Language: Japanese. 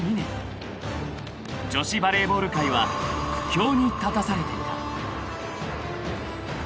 ［女子バレーボール界は苦境に立たされていた］